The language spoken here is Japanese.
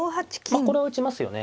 まあこれは打ちますよね。